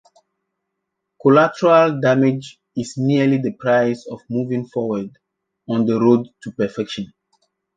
Collateral damage is merely the price of moving forward on the road to perfection.